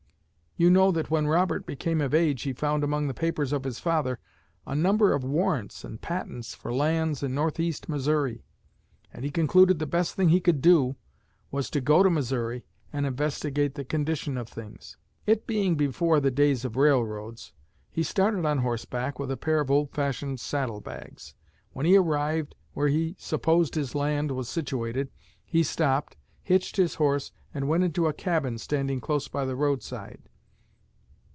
You know that when Robert became of age he found among the papers of his father a number of warrants and patents for lands in Northeast Missouri, and he concluded the best thing he could do was to go to Missouri and investigate the condition of things. It being before the days of railroads, he started on horseback, with a pair of old fashioned saddlebags. When he arrived where he supposed his land was situated, he stopped, hitched his horse, and went into a cabin standing close by the roadside.